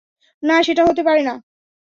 না, সেটা হতে পারে না।